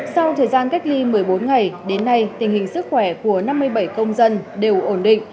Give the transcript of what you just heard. sau thời gian cách ly một mươi bốn ngày đến nay tình hình sức khỏe của năm mươi bảy công dân đều ổn định